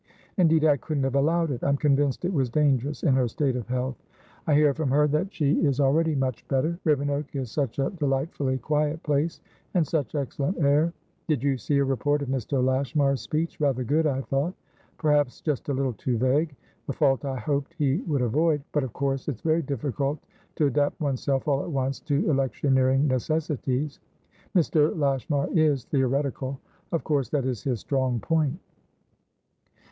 Indeed, I couldn't have allowed it; I'm convinced it was dangerous, in her state of health. I hear from her that she is already much better. Rivenoak is such a delightfully quiet place, and such excellent air. Did you see a report of Mr. Lashmar's speech? Rather good, I thought. Perhaps just a little too vague: the fault I hoped he would avoid. But of course it's very difficult to adapt oneself all at once to electioneering necessities. Mr. Lashmar is theoretical; of course that is his strong point."